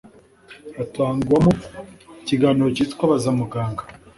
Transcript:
hatangwamo ikiganiro cyitwa baza muganga